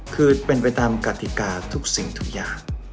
คือเป็นไปตามกติกาทุกสิ่งทุกอย่าง